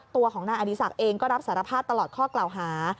ตัวของนายอดีศักดิ์เองก็รับสารภาพตลอดข้อกล่าวหา